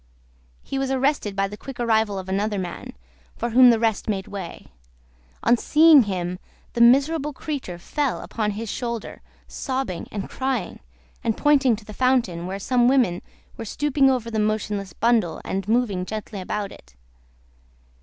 He was arrested by the quick arrival of another man, for whom the rest made way. On seeing him, the miserable creature fell upon his shoulder, sobbing and crying, and pointing to the fountain, where some women were stooping over the motionless bundle, and moving gently about it.